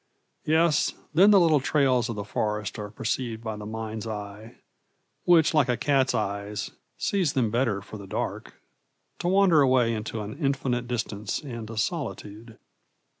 Yes, then the little trails of the forest are perceived by the mind's eye which like a cat's eyes sees them better for the dark to wander away into an infinite distance and a solitude.